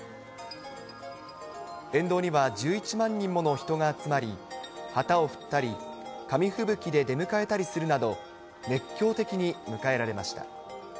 沿道には１１万人もの人が集まり、旗を振ったり、紙吹雪で出迎えたりするなど、熱狂的に迎えられました。